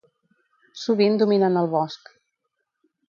Sovint domina en el bosc.